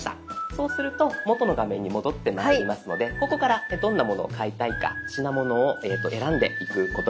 そうすると元の画面に戻ってまいりますのでここからどんなものを買いたいか品物を選んでいくことになります。